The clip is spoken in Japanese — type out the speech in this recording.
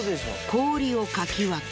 氷をかき分け。